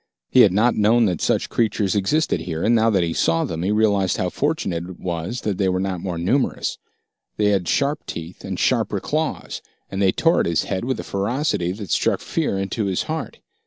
He had not known that such creatures existed here, and now that he saw them, he realized how fortunate it was that they were not more numerous. They had sharp teeth and sharper claws, and they tore at his head with a ferocity that struck fear into his heart.